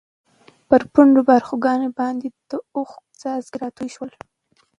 پر پڼډو باړخوګانو باندې د اوښکو څاڅکي راتوی شول.